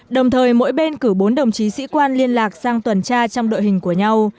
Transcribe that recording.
đồng thời mỗi bên cử bốn đồng chí sĩ quan liên lạc sang tuần tra trong đội hình của nhau